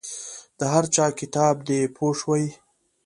د هر چا کتاب دی پوه شوې!.